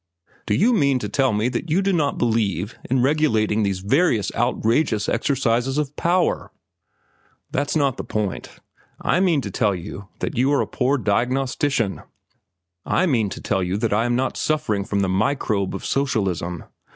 "Do you mean to tell me that you do not believe in regulating these various outrageous exercises of power?" "That's not the point. I mean to tell you that you are a poor diagnostician. I mean to tell you that I am not suffering from the microbe of socialism.